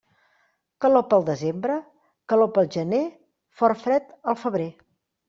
Calor pel desembre, calor pel gener, fort fred al febrer.